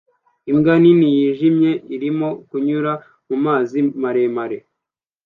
Imbwa nini yijimye irimo kunyura mumazi maremare